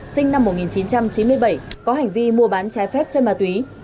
sinh năm một nghìn chín trăm chín mươi bảy có hành vi mua bán trái phép chân ma túy